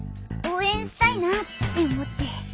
応援したいなって思って。